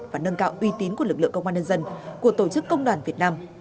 và nâng cao uy tín của lực lượng công an nhân dân của tổ chức công đoàn việt nam